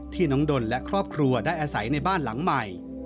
น้องดนและครอบครัวได้อาศัยในบ้านหลังใหม่